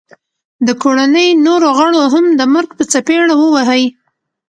د کوړنۍ نورو غړو هم د مرګ په څپېړه وه وهي